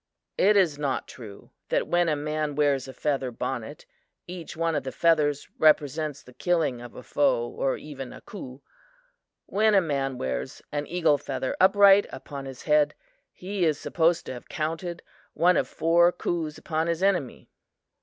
"It is not true that when a man wears a feather bonnet, each one of the feathers represents the killing of a foe or even a coup. When a man wears an eagle feather upright upon his head, he is supposed to have counted one of four coups upon his enemy."